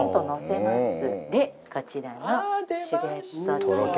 でこちらのシュレッドチーズ。